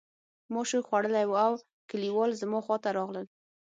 ما شوک خوړلی و او کلیوال زما خواته راغلل